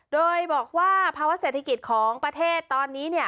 โดยบอกว่าภาวะเศรษฐกิจของประเทศตอนนี้เนี่ย